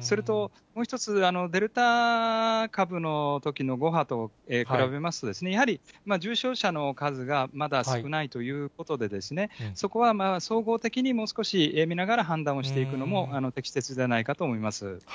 それともう一つ、デルタ株のときの５波と比べますと、やはり重症者の数がまだ少ないということで、そこは総合的にもう少し見ながら判断をしていくのも適切じゃないかと思います。